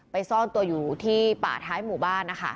ซ่อนตัวอยู่ที่ป่าท้ายหมู่บ้านนะคะ